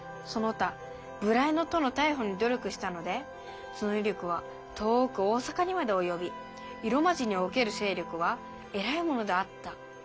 「其他無頼の徒の逮捕に努力したので其威力は遠く大阪にまで及び狭斜に於ける勢力は偉いものであった。